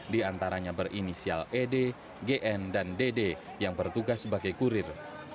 diantaranya berinisial ed gn dan dd yang bertugas sebagai kurir